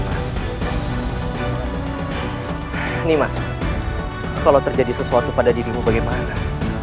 baru saatnya kita sudah beristirahat